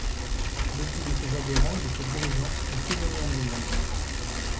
Beaucoup de ses adhérents et de ses dirigeants sont prisonniers en Allemagne.